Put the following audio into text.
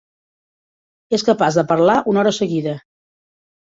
És capaç de parlar una hora seguida.